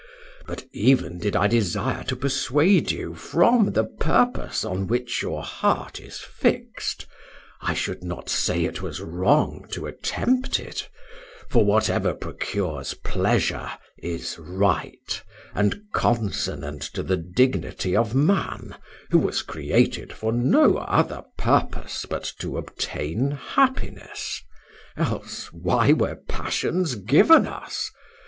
But even did I desire to persuade you from the purpose on which your heart is fixed, I should not say it was wrong to attempt it; for whatever procures pleasure is right, and consonant to the dignity of man, who was created for no other purpose but to obtain happiness; else, why were passions given us?